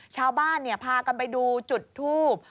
ชาวบ้านพากันไปดูจุดทูบ